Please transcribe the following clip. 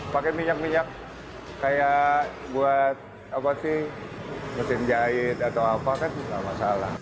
pakai minyak minyak seperti buat mesin jahit atau apa tidak masalah